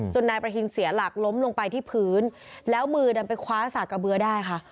นายประทินเสียหลักล้มลงไปที่พื้นแล้วมือดันไปคว้าสากกระเบือได้ค่ะ